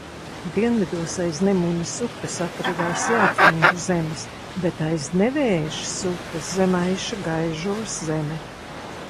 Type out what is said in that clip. Dienvidos aiz Nemunas upes atradās jātvingu zemes, bet aiz Nevēžas upes žemaišu Gaižuvas zeme.